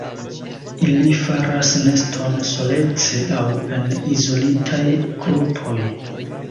Ili faras neston solece aŭ en izolitaj grupoj.